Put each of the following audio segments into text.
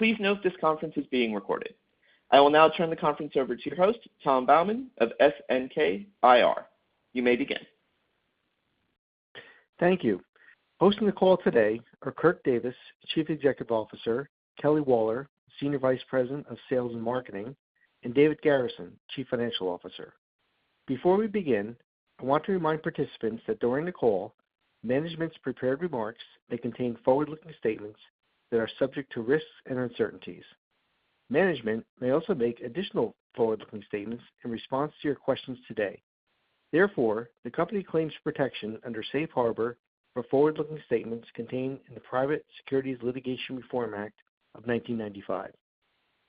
Please note this conference is being recorded. I will now turn the conference over to your host, Tom Baumann of FNK IR. You may begin. Thank you. Hosting the call today are Kirk Davis, Chief Executive Officer; Kelly Waller, Senior Vice President of Sales and Marketing; and David Garrison, Chief Financial Officer. Before we begin, I want to remind participants that during the call, management's prepared remarks may contain forward-looking statements that are subject to risks and uncertainties. Management may also make additional forward-looking statements in response to your questions today. Therefore, the company claims protection under Safe Harbor for forward-looking statements contained in the Private Securities Litigation Reform Act of 1995.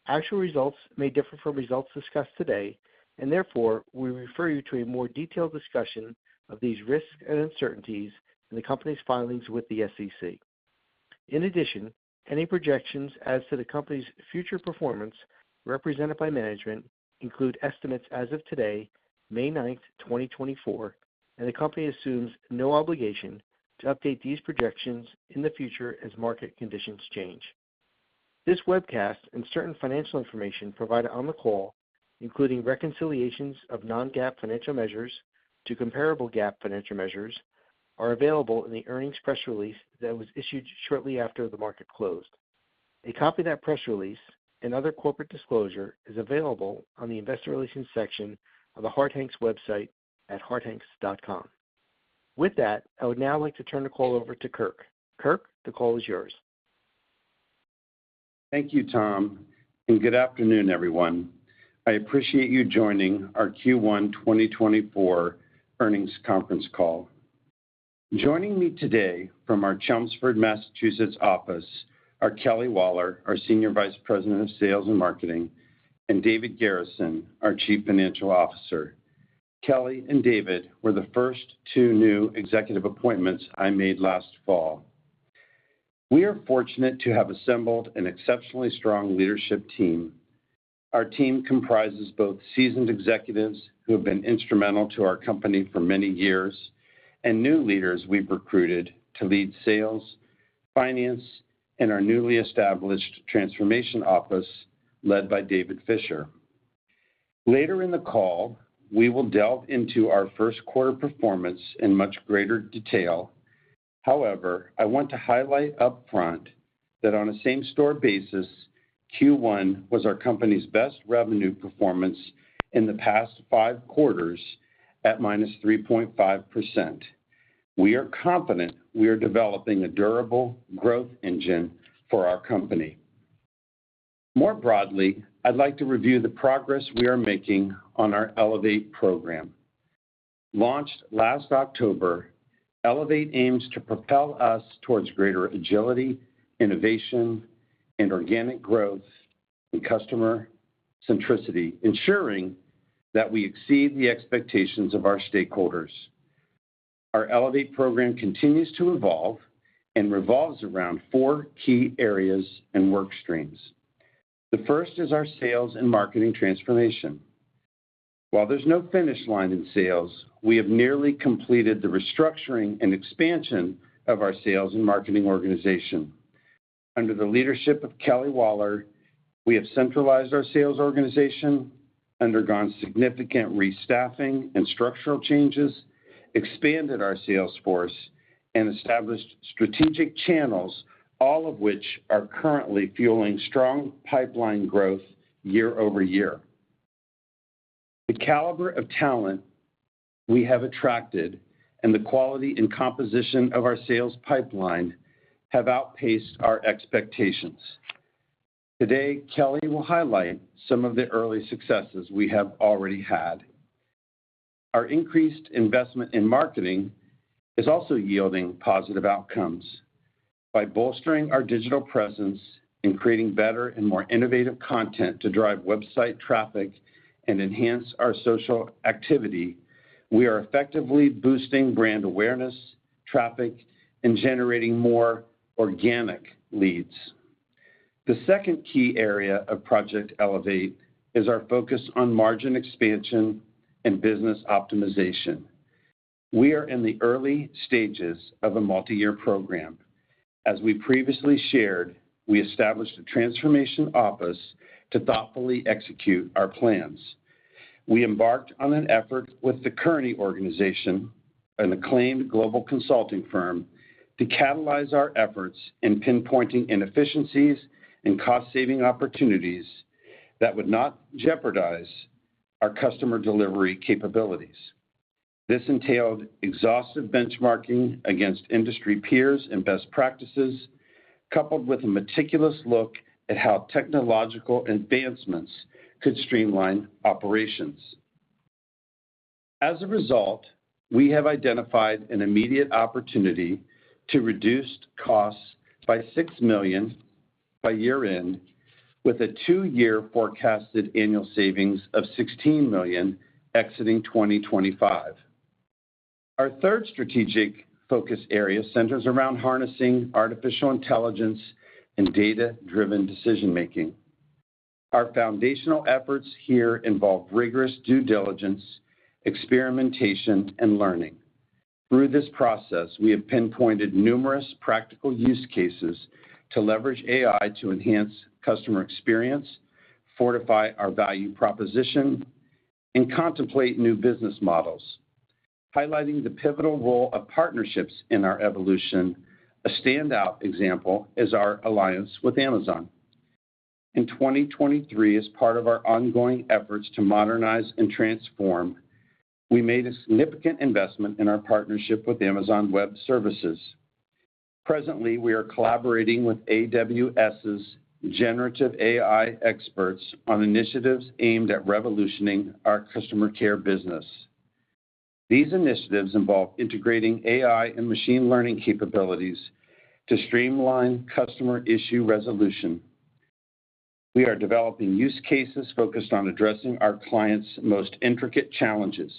Actual results may differ from results discussed today, and therefore, we refer you to a more detailed discussion of these risks and uncertainties in the company's filings with the SEC. In addition, any projections as to the company's future performance represented by management include estimates as of today, May ninth, 2024, and the company assumes no obligation to update these projections in the future as market conditions change. This webcast and certain financial information provided on the call, including reconciliations of non-GAAP financial measures to comparable GAAP financial measures, are available in the earnings press release that was issued shortly after the market closed. A copy of that press release and other corporate disclosure is available on the Investor Relations section of the Harte Hanks website at hartehanks.com. With that, I would now like to turn the call over to Kirk. Kirk, the call is yours. Thank you, Tom, and good afternoon, everyone. I appreciate you joining our Q1 2024 Earnings Conference Call. Joining me today from our Chelmsford, Massachusetts, office are Kelly Waller, our Senior Vice President of Sales and Marketing, and David Garrison, our Chief Financial Officer. Kelly and David were the first two new executive appointments I made last fall. We are fortunate to have assembled an exceptionally strong leadership team. Our team comprises both seasoned executives who have been instrumental to our company for many years, and new leaders we've recruited to lead sales, finance, and our newly established transformation office, led by David Fisher. Later in the call, we will delve into our first quarter performance in much greater detail. However, I want to highlight upfront that on a same-store basis, Q1 was our company's best revenue performance in the past 5 quarters at -3.5%. We are confident we are developing a durable growth engine for our company. More broadly, I'd like to review the progress we are making on our Elevate program. Launched last October, Elevate aims to propel us towards greater agility, innovation, and organic growth and customer centricity, ensuring that we exceed the expectations of our stakeholders. Our Elevate program continues to evolve and revolves around four key areas and work streams. The first is our sales and marketing transformation. While there's no finish line in sales, we have nearly completed the restructuring and expansion of our sales and marketing organization. Under the leadership of Kelly Waller, we have centralized our sales organization, undergone significant restaffing and structural changes, expanded our sales force, and established strategic channels, all of which are currently fueling strong pipeline growth year-over-year. The caliber of talent we have attracted and the quality and composition of our sales pipeline have outpaced our expectations. Today, Kelly will highlight some of the early successes we have already had. Our increased investment in marketing is also yielding positive outcomes. By bolstering our digital presence and creating better and more innovative content to drive website traffic and enhance our social activity, we are effectively boosting brand awareness, traffic, and generating more organic leads. The second key area of Project Elevate is our focus on margin expansion and business optimization. We are in the early stages of a multi-year program. As we previously shared, we established a transformation office to thoughtfully execute our plans. We embarked on an effort with the Kearney organization, an acclaimed global consulting firm, to catalyze our efforts in pinpointing inefficiencies and cost-saving opportunities that would not jeopardize our customer delivery capabilities. This entailed exhaustive benchmarking against industry peers and best practices, coupled with a meticulous look at how technological advancements could streamline operations. As a result, we have identified an immediate opportunity to reduce costs by $6 million by year-end, with a two-year forecasted annual savings of $16 million exiting 2025. Our third strategic focus area centers around harnessing artificial intelligence and data-driven decision-making. Our foundational efforts here involve rigorous due diligence, experimentation, and learning. Through this process, we have pinpointed numerous practical use cases to leverage AI to enhance customer experience, fortify our value proposition, and contemplate new business models. Highlighting the pivotal role of partnerships in our evolution, a standout example is our alliance with Amazon. In 2023, as part of our ongoing efforts to modernize and transform, we made a significant investment in our partnership with Amazon Web Services. Presently, we are collaborating with AWS's generative AI experts on initiatives aimed at revolutionizing our customer care business. These initiatives involve integrating AI and machine learning capabilities to streamline customer issue resolution. We are developing use cases focused on addressing our clients' most intricate challenges.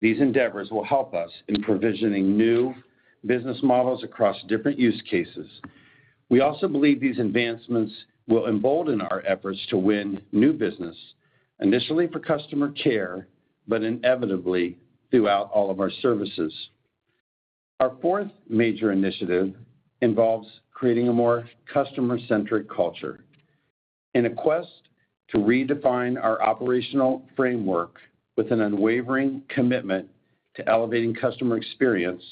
These endeavors will help us in provisioning new business models across different use cases. We also believe these advancements will embolden our efforts to win new business, initially for customer care, but inevitably, throughout all of our services. Our fourth major initiative involves creating a more customer-centric culture. In a quest to redefine our operational framework with an unwavering commitment to elevating customer experience,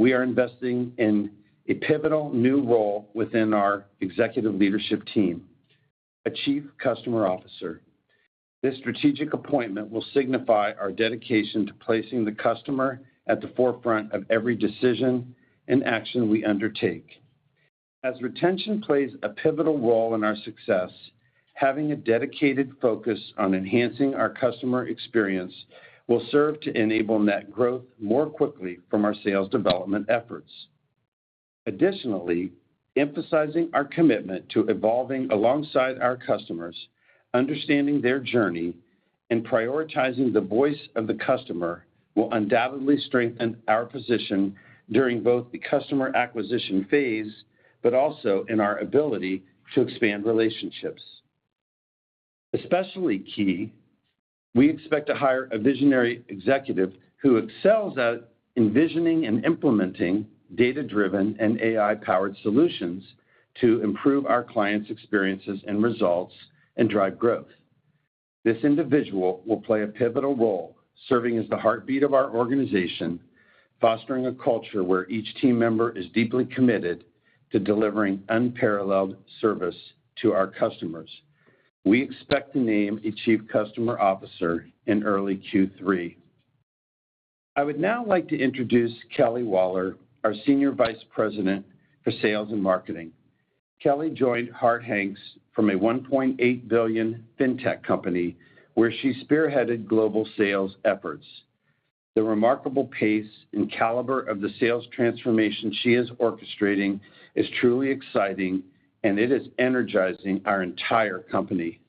we are investing in a pivotal new role within our executive leadership team, a Chief Customer Officer. This strategic appointment will signify our dedication to placing the customer at the forefront of every decision and action we undertake. As retention plays a pivotal role in our success, having a dedicated focus on enhancing our customer experience will serve to enable net growth more quickly from our sales development efforts. Additionally, emphasizing our commitment to evolving alongside our customers, understanding their journey, and prioritizing the voice of the customer will undoubtedly strengthen our position during both the customer acquisition phase, but also in our ability to expand relationships. Especially key, we expect to hire a visionary executive who excels at envisioning and implementing data-driven and AI-powered solutions to improve our clients' experiences and results and drive growth. This individual will play a pivotal role, serving as the heartbeat of our organization, fostering a culture where each team member is deeply committed to delivering unparalleled service to our customers. We expect to name a Chief Customer Officer in early Q3. I would now like to introduce Kelly Waller, our Senior Vice President for Sales and Marketing. Kelly joined Harte Hanks from a $1.8 billion fintech company, where she spearheaded global sales efforts. The remarkable pace and caliber of the sales transformation she is orchestrating is truly exciting, and it is energizing our entire company.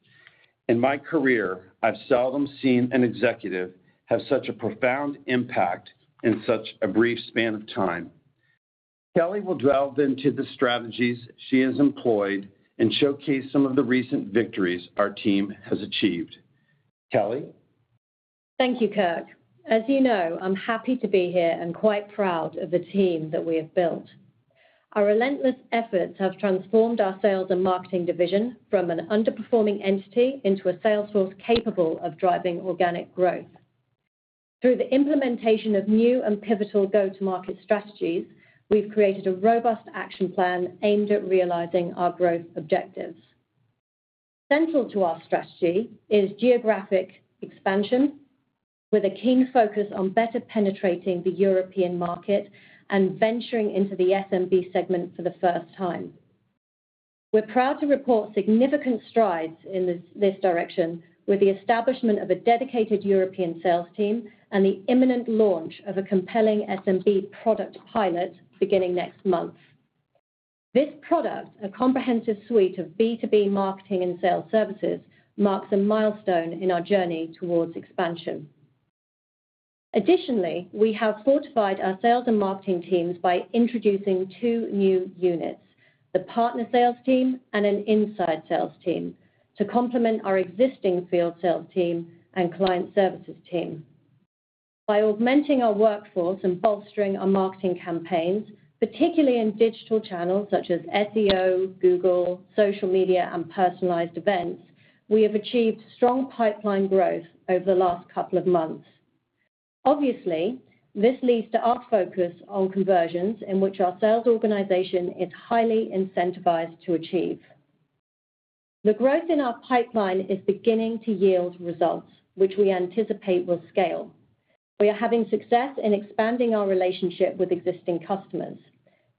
In my career, I've seldom seen an executive have such a profound impact in such a brief span of time. Kelly will delve into the strategies she has employed and showcase some of the recent victories our team has achieved. Kelly? Thank you, Kirk. As you know, I'm happy to be here and quite proud of the team that we have built. Our relentless efforts have transformed our sales and marketing division from an underperforming entity into a sales force capable of driving organic growth. Through the implementation of new and pivotal go-to-market strategies, we've created a robust action plan aimed at realizing our growth objectives. Central to our strategy is geographic expansion, with a keen focus on better penetrating the European market and venturing into the SMB segment for the first time. We're proud to report significant strides in this direction with the establishment of a dedicated European sales team and the imminent launch of a compelling SMB product pilot beginning next month. This product, a comprehensive suite of B2B marketing and sales services, marks a milestone in our journey towards expansion. Additionally, we have fortified our sales and marketing teams by introducing two new units, the partner sales team and an inside sales team, to complement our existing field sales team and client services team. By augmenting our workforce and bolstering our marketing campaigns, particularly in digital channels such as SEO, Google, social media, and personalized events, we have achieved strong pipeline growth over the last couple of months. Obviously, this leads to our focus on conversions in which our sales organization is highly incentivized to achieve. The growth in our pipeline is beginning to yield results, which we anticipate will scale. We are having success in expanding our relationship with existing customers.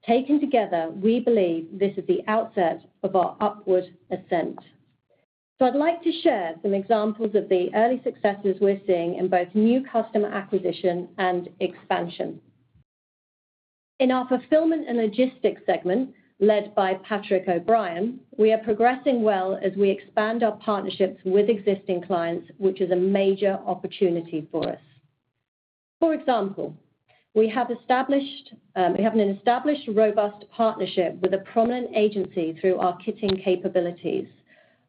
Taken together, we believe this is the outset of our upward ascent. So I'd like to share some examples of the early successes we're seeing in both new customer acquisition and expansion. In our fulfillment and logistics segment, led by Patrick O'Brien, we are progressing well as we expand our partnerships with existing clients, which is a major opportunity for us. For example, we have an established robust partnership with a prominent agency through our kitting capabilities.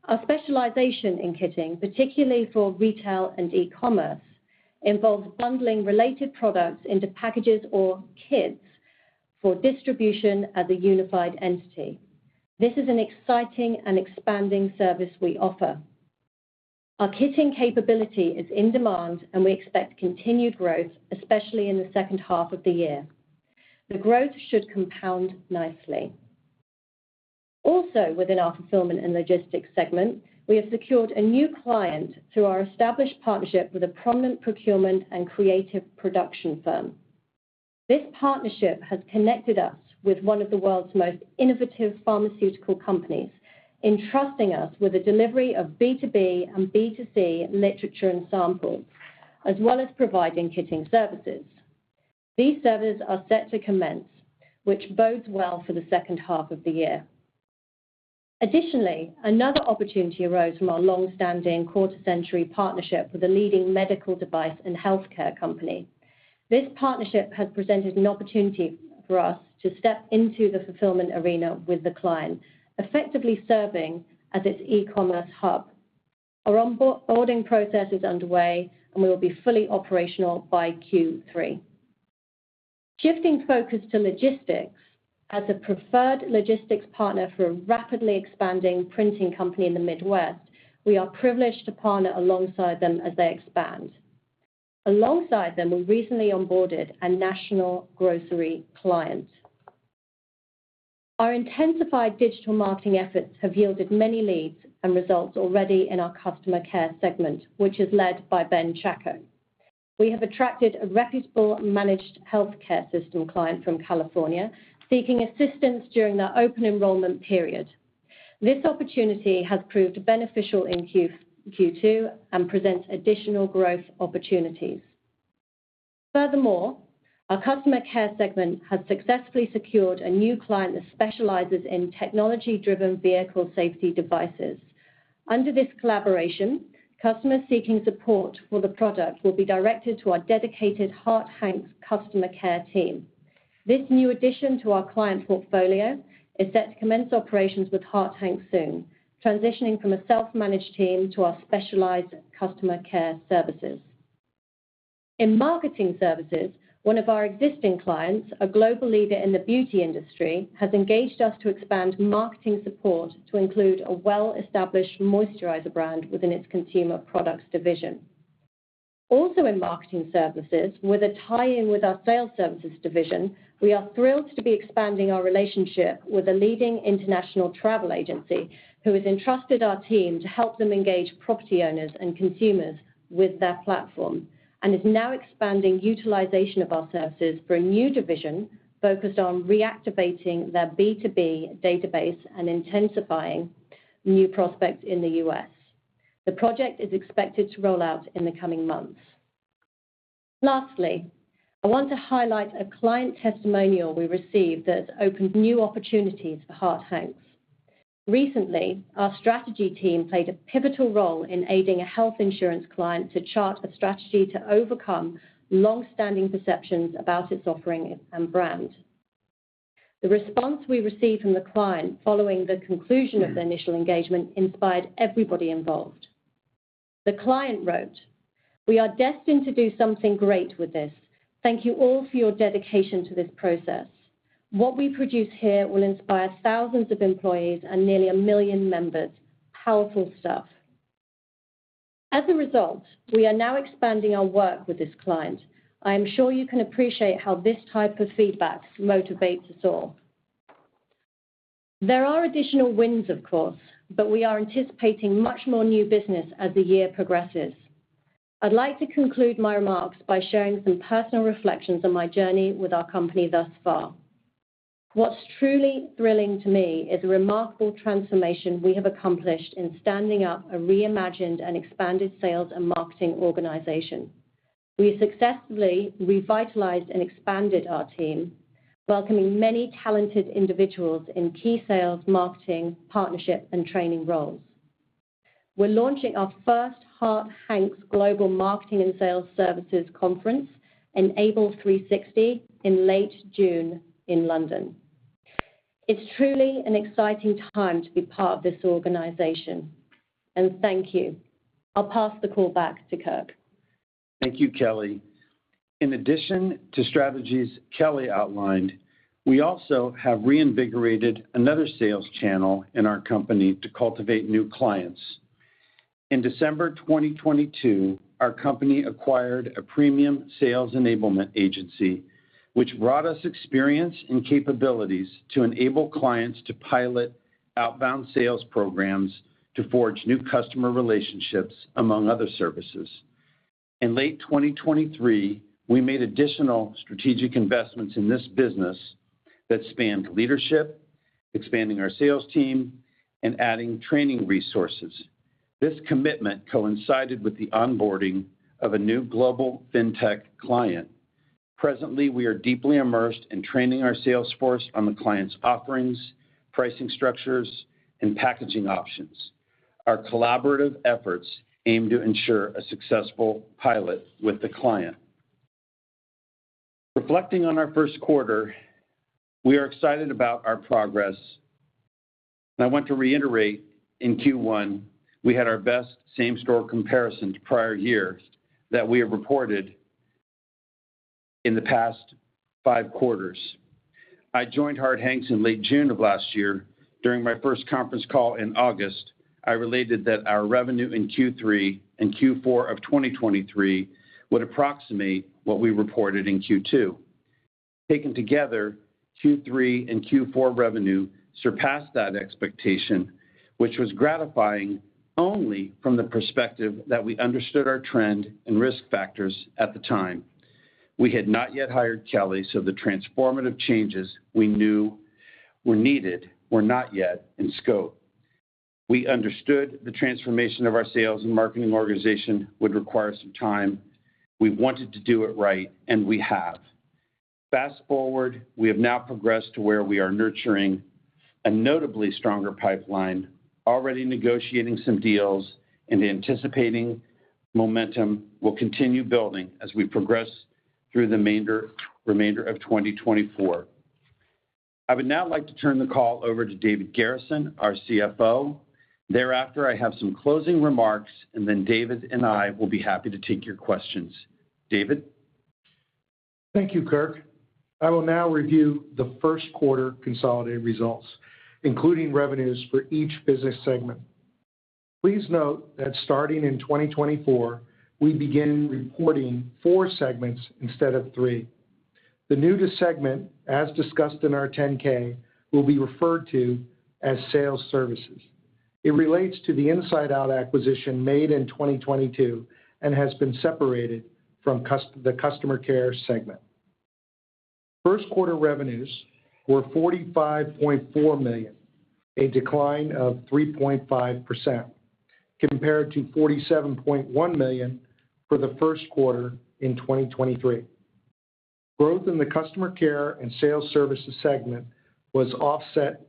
Our specialization in kitting, particularly for retail and e-commerce, involves bundling related products into packages or kits for distribution as a unified entity. This is an exciting and expanding service we offer. Our kitting capability is in demand, and we expect continued growth, especially in the second half of the year. The growth should compound nicely. Also, within our fulfillment and logistics segment, we have secured a new client through our established partnership with a prominent procurement and creative production firm. This partnership has connected us with one of the world's most innovative pharmaceutical companies, entrusting us with the delivery of B2B and B2C literature and samples, as well as providing kitting services. These services are set to commence, which bodes well for the second half of the year. Additionally, another opportunity arose from our long-standing quarter-century partnership with a leading medical device and healthcare company. This partnership has presented an opportunity for us to step into the fulfillment arena with the client, effectively serving as its e-commerce hub. Our onboarding process is underway, and we will be fully operational by Q3. Shifting focus to logistics, as a preferred logistics partner for a rapidly expanding printing company in the Midwest, we are privileged to partner alongside them as they expand. Alongside them, we recently onboarded a national grocery client. Our intensified digital marketing efforts have yielded many leads and results already in our customer care segment, which is led by Ben Chacko. We have attracted a reputable managed healthcare system client from California, seeking assistance during their open enrollment period. This opportunity has proved beneficial in Q2 and presents additional growth opportunities. Furthermore, our customer care segment has successfully secured a new client that specializes in technology-driven vehicle safety devices. Under this collaboration, customers seeking support for the product will be directed to our dedicated Harte Hanks customer care team. This new addition to our client portfolio is set to commence operations with Harte Hanks soon, transitioning from a self-managed team to our specialized customer care services. In marketing services, one of our existing clients, a global leader in the beauty industry, has engaged us to expand marketing support to include a well-established moisturizer brand within its consumer products division. Also, in marketing services, with a tie-in with our sales services division, we are thrilled to be expanding our relationship with a leading international travel agency, who has entrusted our team to help them engage property owners and consumers with their platform, and is now expanding utilization of our services for a new division focused on reactivating their B2B database and intensifying new prospects in the U.S. The project is expected to roll out in the coming months. Lastly, I want to highlight a client testimonial we received that's opened new opportunities for Harte Hanks. Recently, our strategy team played a pivotal role in aiding a health insurance client to chart a strategy to overcome long-standing perceptions about its offering and brand. The response we received from the client following the conclusion of the initial engagement inspired everybody involved. The client wrote: "We are destined to do something great with this. Thank you all for your dedication to this process. What we produce here will inspire thousands of employees and nearly a million members. Powerful stuff!" As a result, we are now expanding our work with this client. I am sure you can appreciate how this type of feedback motivates us all. There are additional wins, of course, but we are anticipating much more new business as the year progresses. I'd like to conclude my remarks by sharing some personal reflections on my journey with our company thus far. What's truly thrilling to me is the remarkable transformation we have accomplished in standing up a reimagined and expanded sales and marketing organization. We successfully revitalized and expanded our team, welcoming many talented individuals in key sales, marketing, partnership, and training roles. We're launching our first Harte Hanks' Global Marketing and Sales Services conference, Enable 360, in late June in London. It's truly an exciting time to be part of this organization. Thank you. I'll pass the call back to Kirk. Thank you, Kelly. In addition to strategies Kelly outlined, we also have reinvigorated another sales channel in our company to cultivate new clients. In December 2022, our company acquired a premium sales enablement agency, which brought us experience and capabilities to enable clients to pilot outbound sales programs to forge new customer relationships, among other services. In late 2023, we made additional strategic investments in this business that spanned leadership, expanding our sales team, and adding training resources. This commitment coincided with the onboarding of a new global fintech client. Presently, we are deeply immersed in training our sales force on the client's offerings, pricing structures, and packaging options. Our collaborative efforts aim to ensure a successful pilot with the client. Reflecting on our first quarter, we are excited about our progress, and I want to reiterate, in Q1, we had our best same-store comparison to prior years that we have reported in the past five quarters. I joined Harte Hanks in late June of last year. During my first conference call in August, I related that our revenue in Q3 and Q4 of 2023 would approximate what we reported in Q2. Taken together, Q3 and Q4 revenue surpassed that expectation, which was gratifying only from the perspective that we understood our trend and risk factors at the time. We had not yet hired Kelly, so the transformative changes we knew were needed were not yet in scope. We understood the transformation of our sales and marketing organization would require some time. We wanted to do it right, and we have. Fast forward, we have now progressed to where we are nurturing a notably stronger pipeline, already negotiating some deals, and anticipating momentum will continue building as we progress through the remainder of 2024. I would now like to turn the call over to David Garrison, our CFO. Thereafter, I have some closing remarks, and then David and I will be happy to take your questions. David? Thank you, Kirk. I will now review the first quarter consolidated results, including revenues for each business segment. Please note that starting in 2024, we begin reporting four segments instead of three. The newest segment, as discussed in our 10-K, will be referred to as Sales Services. It relates to the InsideOut acquisition made in 2022 and has been separated from the Customer Care segment. First quarter revenues were $45.4 million, a decline of 3.5%, compared to $47.1 million for the first quarter in 2023. Growth in the Customer Care and Sales Services segment was offset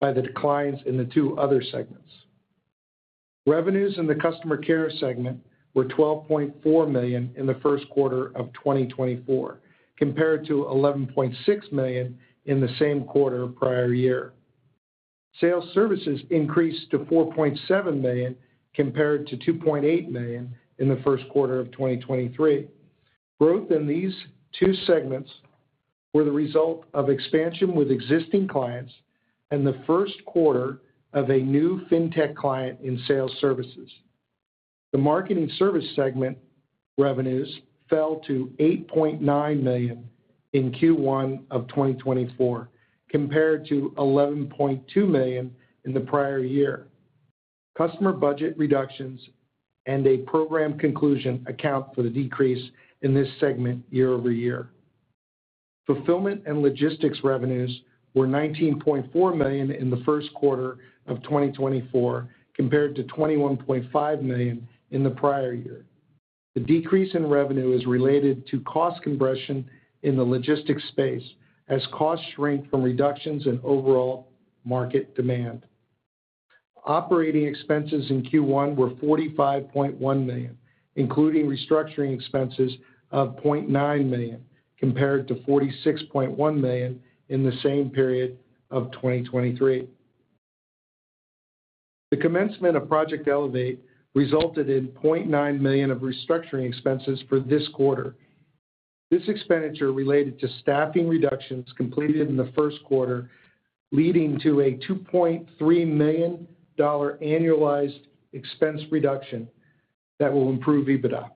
by the declines in the two other segments. Revenues in the Customer Care segment were $12.4 million in the first quarter of 2024, compared to $11.6 million in the same quarter prior year. Sales Services increased to $4.7 million, compared to $2.8 million in the first quarter of 2023. Growth in these two segments were the result of expansion with existing clients and the first quarter of a new fintech client in Sales Services. The Marketing Services segment revenues fell to $8.9 million in Q1 of 2024, compared to $11.2 million in the prior year. Customer budget reductions and a program conclusion account for the decrease in this segment year-over-year. Fulfillment and Logistics revenues were $19.4 million in the first quarter of 2024, compared to $21.5 million in the prior year. The decrease in revenue is related to cost compression in the logistics space as costs shrink from reductions in overall market demand. Operating expenses in Q1 were $45.1 million, including restructuring expenses of $0.9 million, compared to $46.1 million in the same period of 2023. The commencement of Project Elevate resulted in $0.9 million of restructuring expenses for this quarter. This expenditure related to staffing reductions completed in the first quarter, leading to a $2.3 million-dollar annualized expense reduction that will improve EBITDA.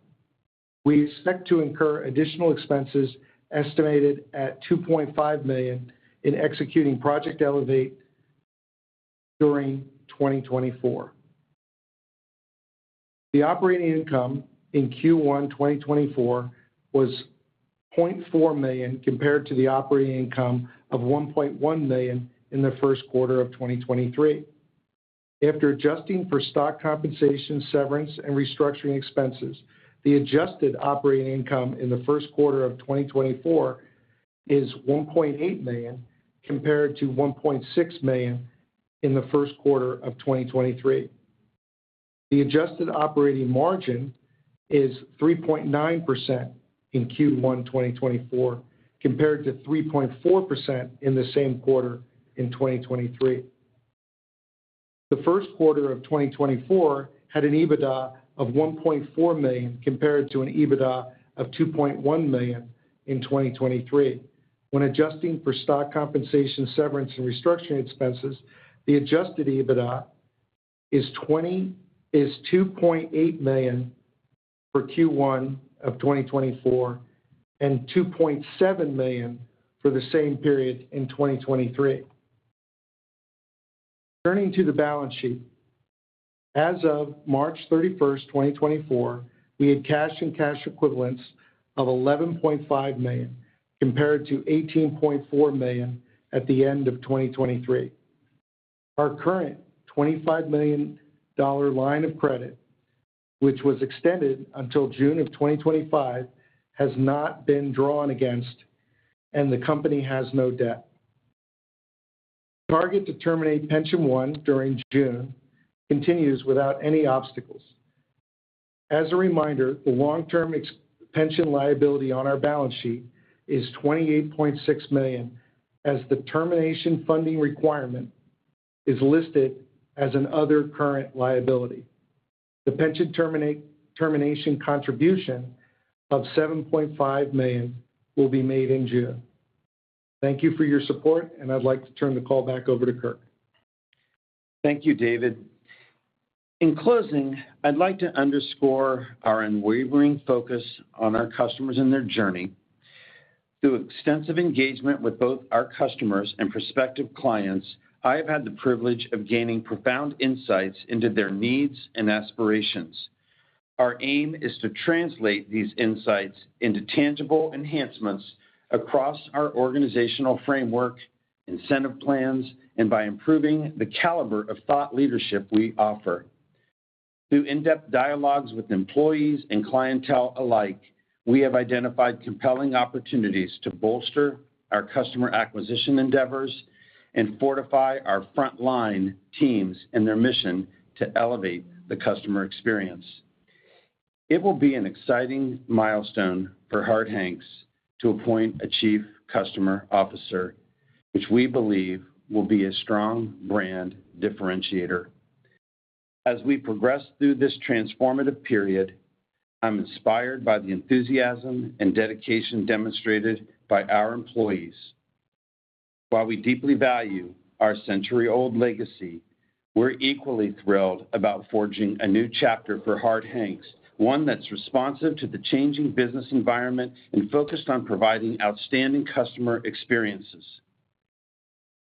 We expect to incur additional expenses, estimated at $2.5 million, in executing Project Elevate during 2024. The operating income in Q1 2024 was $0.4 million, compared to the operating income of $1.1 million in the first quarter of 2023. After adjusting for stock compensation, severance, and restructuring expenses, the adjusted operating income in the first quarter of 2024 is $1.8 million, compared to $1.6 million in the first quarter of 2023. The adjusted operating margin is 3.9% in Q1 2024, compared to 3.4% in the same quarter in 2023. The first quarter of 2024 had an EBITDA of $1.4 million, compared to an EBITDA of $2.1 million in 2023. When adjusting for stock compensation, severance, and restructuring expenses, the adjusted EBITDA is $2.8 million for Q1 of 2024 and $2.7 million for the same period in 2023. Turning to the balance sheet, as of March 31, 2024, we had cash and cash equivalents of $11.5 million, compared to $18.4 million at the end of 2023. Our current $25 million line of credit, which was extended until June of 2025, has not been drawn against, and the company has no debt. Target to terminate Pension I during June continues without any obstacles. As a reminder, the long-term pension liability on our balance sheet is $28.6 million, as the termination funding requirement is listed as another current liability. The pension termination contribution of $7.5 million will be made in June. Thank you for your support, and I'd like to turn the call back over to Kirk. Thank you, David. In closing, I'd like to underscore our unwavering focus on our customers and their journey. Through extensive engagement with both our customers and prospective clients, I have had the privilege of gaining profound insights into their needs and aspirations. Our aim is to translate these insights into tangible enhancements across our organizational framework, incentive plans, and by improving the caliber of thought leadership we offer. Through in-depth dialogues with employees and clientele alike, we have identified compelling opportunities to bolster our customer acquisition endeavors and fortify our frontline teams in their mission to elevate the customer experience. It will be an exciting milestone for Harte Hanks to appoint a Chief Customer Officer, which we believe will be a strong brand differentiator. As we progress through this transformative period, I'm inspired by the enthusiasm and dedication demonstrated by our employees. While we deeply value our century-old legacy, we're equally thrilled about forging a new chapter for Harte Hanks, one that's responsive to the changing business environment and focused on providing outstanding customer experiences.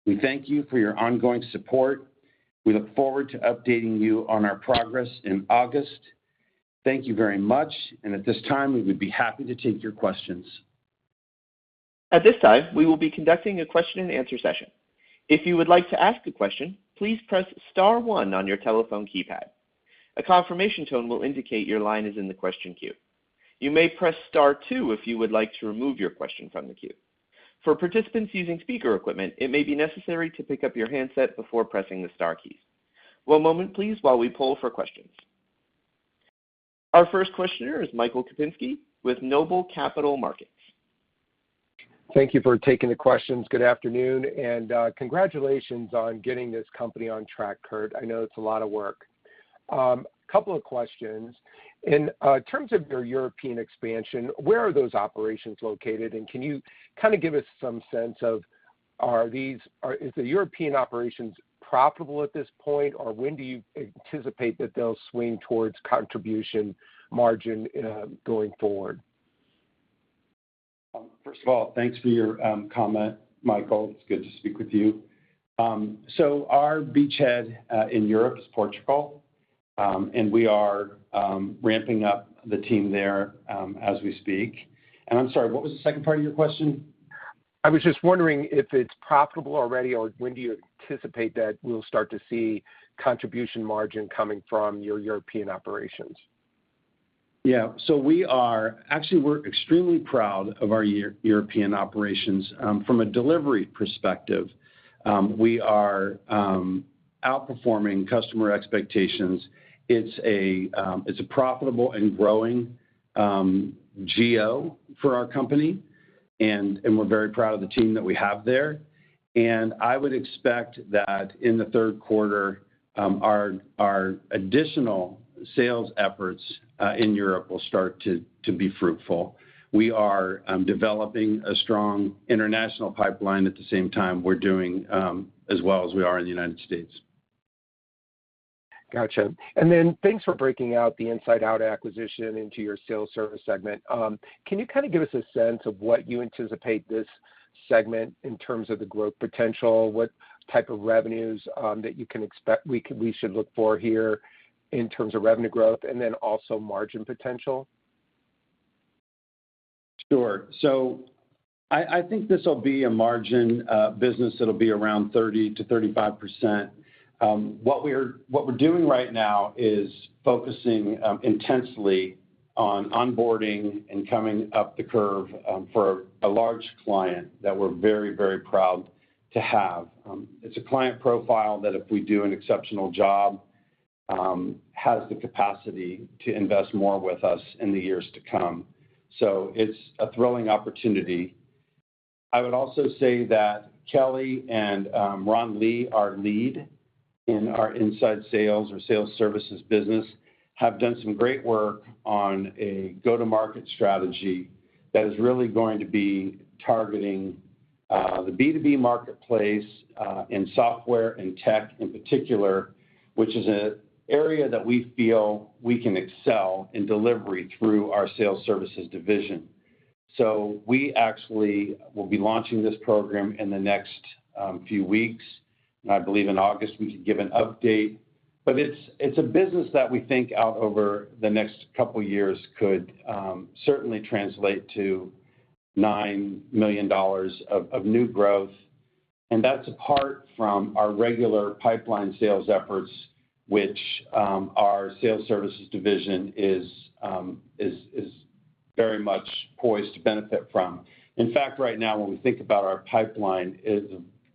We thank you for your ongoing support. We look forward to updating you on our progress in August. Thank you very much, and at this time, we would be happy to take your questions. At this time, we will be conducting a question and answer session. If you would like to ask a question, please press star one on your telephone keypad. A confirmation tone will indicate your line is in the question queue. You may press star two if you would like to remove your question from the queue. For participants using speaker equipment, it may be necessary to pick up your handset before pressing the star keys. One moment, please, while we poll for questions. Our first questioner is Michael Kupinski with Noble Capital Markets. Thank you for taking the questions. Good afternoon, and congratulations on getting this company on track, Kirk. I know it's a lot of work. Couple of questions. In terms of your European expansion, where are those operations located? And can you kind of give us some sense of, are these, is the European operations profitable at this point, or when do you anticipate that they'll swing towards contribution margin going forward? First of all, thanks for your comment, Michael. It's good to speak with you. Our beachhead in Europe is Portugal, and we are ramping up the team there as we speak. And I'm sorry, what was the second part of your question? I was just wondering if it's profitable already, or when do you anticipate that we'll start to see contribution margin coming from your European operations? Yeah. So we are actually, we're extremely proud of our European operations. From a delivery perspective, we are outperforming customer expectations. It's a, it's a profitable and growing geo for our company, and we're very proud of the team that we have there. I would expect that in the third quarter, our additional sales efforts in Europe will start to be fruitful. We are developing a strong international pipeline. At the same time, we're doing as well as we are in the United States. Gotcha. And then thanks for breaking out the InsideOut acquisition into your Sales Services segment. Can you kind of give us a sense of what you anticipate this segment in terms of the growth potential? What type of revenues that you can expect we should look for here in terms of revenue growth and then also margin potential? Sure. So I think this will be a margin business that'll be around 30%-35%. What we're doing right now is focusing intensely on onboarding and coming up the curve for a large client that we're very, very proud to have. It's a client profile that, if we do an exceptional job, has the capacity to invest more with us in the years to come, so it's a thrilling opportunity. I would also say that Kelly and Ron Lee, our lead in our inside sales or sales services business, have done some great work on a go-to-market strategy that is really going to be targeting the B2B marketplace in software and tech in particular, which is an area that we feel we can excel in delivery through our sales services division. So we actually will be launching this program in the next few weeks, and I believe in August, we can give an update. But it's a business that we think out over the next couple years could certainly translate to $9 million of new growth, and that's apart from our regular pipeline sales efforts, which our sales services division is very much poised to benefit from. In fact, right now, when we think about our pipeline,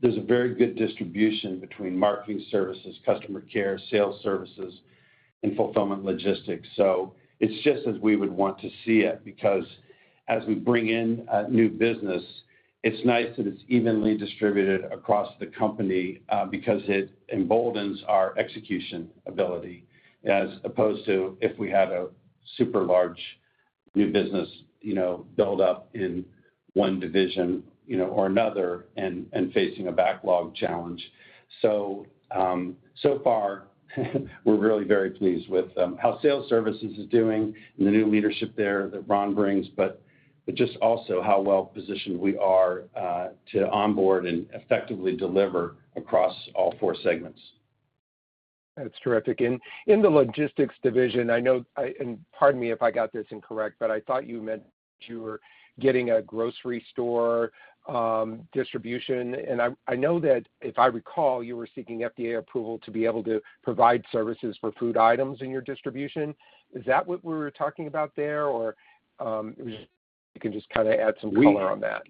there's a very good distribution between marketing services, customer care, sales services, and fulfillment logistics. So it's just as we would want to see it, because as we bring in new business, it's nice that it's evenly distributed across the company, because it emboldens our execution ability, as opposed to if we had a super large new business, you know, build up in one division, you know, or another, and facing a backlog challenge. So, so far, we're really very pleased with how sales services is doing and the new leadership there that Ron brings, but just also how well-positioned we are to onboard and effectively deliver across all four segments. That's terrific. And in the logistics division, I know, and pardon me if I got this incorrect, but I thought you meant you were getting a grocery store distribution. And I know that if I recall, you were seeking FDA approval to be able to provide services for food items in your distribution. Is that what we were talking about there? Or, if you can just kinda add some color on that.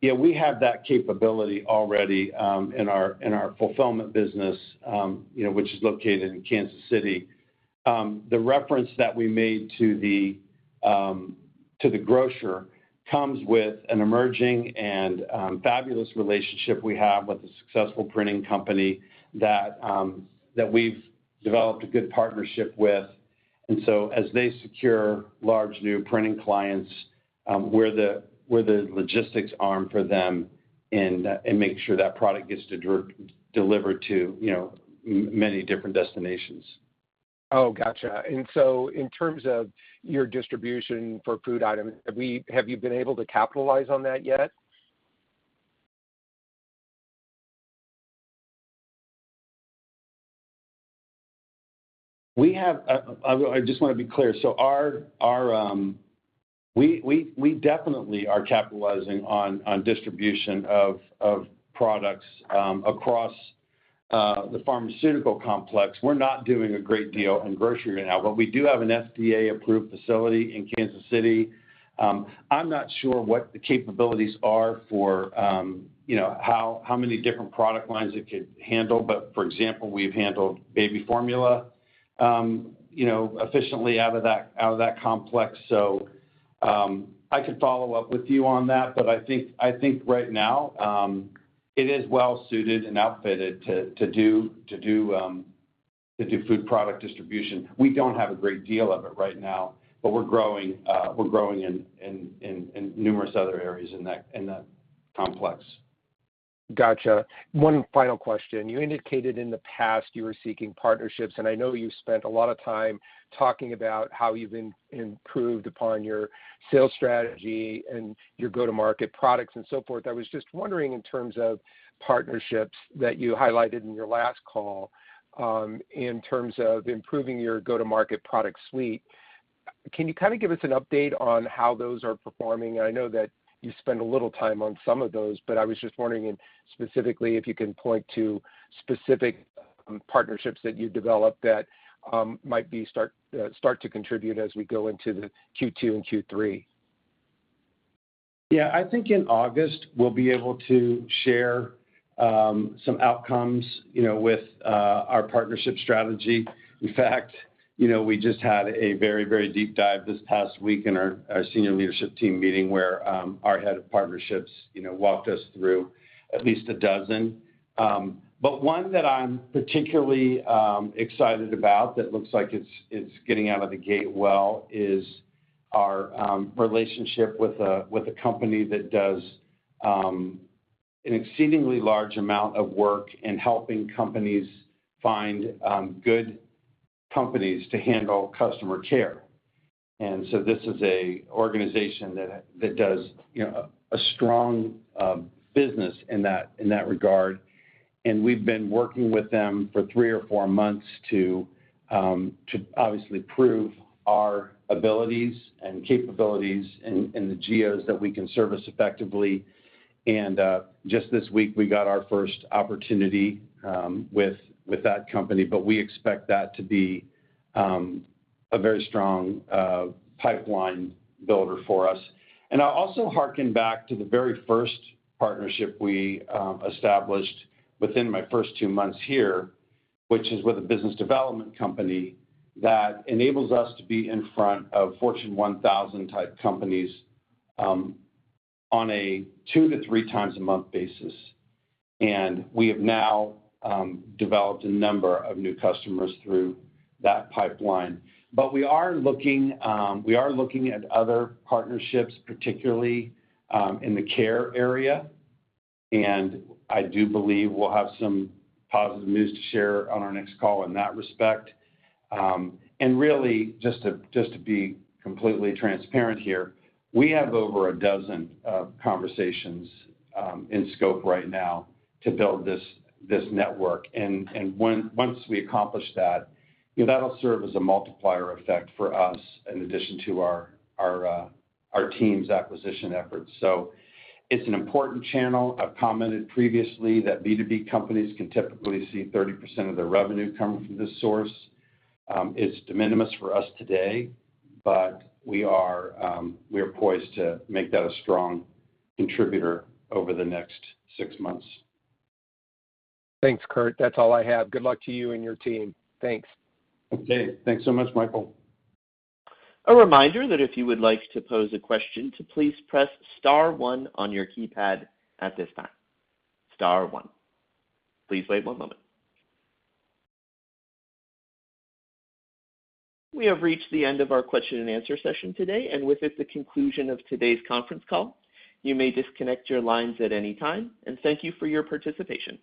Yeah, we have that capability already, in our, in our fulfillment business, you know, which is located in Kansas City. The reference that we made to the, to the grocer comes with an emerging and, fabulous relationship we have with a successful printing company that, that we've developed a good partnership with. And so as they secure large new printing clients, we're the, we're the logistics arm for them and, and make sure that product gets delivered to, you know, many different destinations. Oh, gotcha. And so in terms of your distribution for food items, have you been able to capitalize on that yet? I just wanna be clear. So we definitely are capitalizing on distribution of products across the pharmaceutical complex. We're not doing a great deal in grocery right now, but we do have an FDA-approved facility in Kansas City. I'm not sure what the capabilities are for, you know, how many different product lines it could handle, but, for example, we've handled baby formula, you know, efficiently out of that complex. So I could follow up with you on that, but I think right now it is well suited and outfitted to do food product distribution. We don't have a great deal of it right now, but we're growing in numerous other areas in that complex. Gotcha. One final question. You indicated in the past you were seeking partnerships, and I know you've spent a lot of time talking about how you've improved upon your sales strategy and your go-to-market products and so forth. I was just wondering, in terms of partnerships that you highlighted in your last call, in terms of improving your go-to-market product suite, can you kind of give us an update on how those are performing? I know that you spend a little time on some of those, but I was just wondering specifically if you can point to specific partnerships that you developed that might start to contribute as we go into the Q2 and Q3. Yeah. I think in August, we'll be able to share some outcomes, you know, with our partnership strategy. In fact, you know, we just had a very, very deep dive this past week in our senior leadership team meeting, where our head of partnerships, you know, walked us through at least a dozen. But one that I'm particularly excited about that looks like it's getting out of the gate well is our relationship with a company that does an exceedingly large amount of work in helping companies find good companies to handle customer care. This is an organization that does, you know, a strong business in that regard, and we've been working with them for 3 or 4 months to obviously prove our abilities and capabilities in the geos that we can service effectively. And just this week, we got our first opportunity with that company, but we expect that to be a very strong pipeline builder for us. And I also harken back to the very first partnership we established within my first 2 months here, which is with a business development company that enables us to be in front of Fortune 1000-type companies on a 2-3 times a month basis. And we have now developed a number of new customers through that pipeline. But we are looking, we are looking at other partnerships, particularly, in the care area, and I do believe we'll have some positive news to share on our next call in that respect. And really, just to, just to be completely transparent here, we have over a dozen conversations in scope right now to build this, this network. And, when- once we accomplish that, you know, that'll serve as a multiplier effect for us in addition to our, our, our team's acquisition efforts. So it's an important channel. I've commented previously that B2B companies can typically see 30% of their revenue coming from this source. It's de minimis for us today, but we are, we are poised to make that a strong contributor over the next six months. Thanks, Kirk. That's all I have. Good luck to you and your team. Thanks. Okay. Thanks so much, Michael. A reminder that if you would like to pose a question, to please press star one on your keypad at this time, star one. Please wait one moment. We have reached the end of our question and answer session today, and with it, the conclusion of today's conference call. You may disconnect your lines at any time, and thank you for your participation.